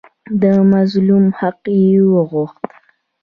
د مظلوم حق یې وغوښت.